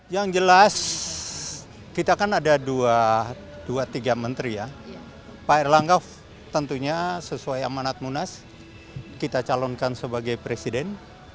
yang jelas kita kan ada dua tiga menteri ya pak erlangga tentunya sesuai amanat munas kita calonkan sebagai presiden